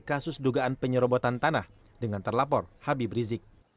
kasus dugaan penyerobotan tanah dengan terlapor habib rizik